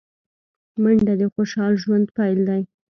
منډه د خوشال ژوند پيل دی